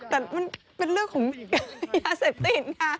แต่มันเป็นเรื่องของยาเสพติดค่ะ